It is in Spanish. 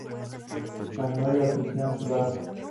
Magnolia officinalis var.